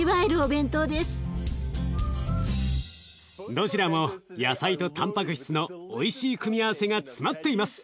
どちらも野菜とたんぱく質のおいしい組み合わせが詰まっています！